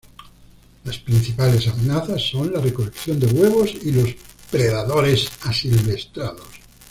Las principales amenazas son la recolección de huevos y los predadores asilvestrados.